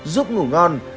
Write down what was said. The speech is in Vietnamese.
giúp ngủ ngon